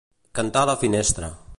Cantar a la finestra.